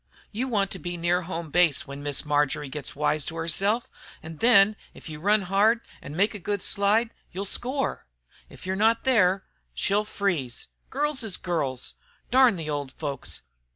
You want to be near home base when Miss Marjory gets wise to herself, an' then, if you run hard an' make a good slide, you'll score! If you're not there she'll freeze. Girls is girls. Darn the old folks!